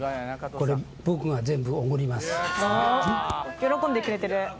喜んでくれてる。